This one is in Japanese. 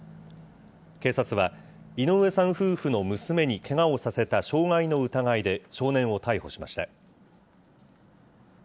警察は、井上さん夫婦の娘にけがをさせた傷害の疑いで、少年を逮捕しました。